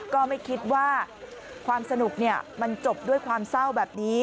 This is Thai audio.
ก็ไม่คิดว่าความสนุกมันจบด้วยความเศร้าแบบนี้